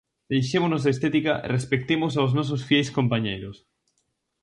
Deixémonos de estética e respectemos aos nosos fieis compañeiros.